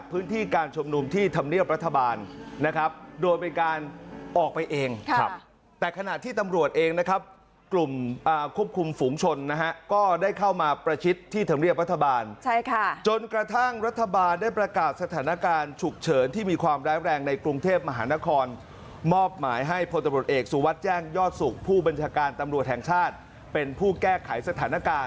พื้นที่การชุมนุมที่ทำเรียบรัฐบาลนะครับโดยเป็นการออกไปเองครับแต่ขณะที่ตำรวจเองนะครับกลุ่มอ่าควบคุมฝุงชนนะฮะก็ได้เข้ามาประชิดที่ทำเรียบรัฐบาลใช่ค่ะจนกระทั่งรัฐบาลได้ประกาศสถานการณ์ฉุกเฉินที่มีความร้ายแรงในกรุงเทพมหานครมอบหมายให้พลตรวจเอกสุวัสดิ์แจ้งยอด